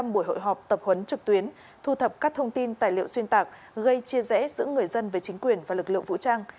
một mươi buổi hội họp tập huấn trực tuyến thu thập các thông tin tài liệu xuyên tạc gây chia rẽ giữa người dân với chính quyền và lực lượng vũ trang